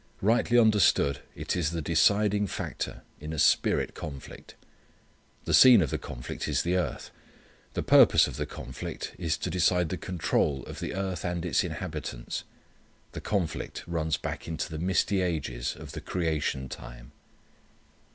Rightly understood it is the deciding factor in a spirit conflict. The scene of the conflict is the earth. The purpose of the conflict is to decide the control of the earth, and its inhabitants. The conflict runs back into the misty ages of the creation time.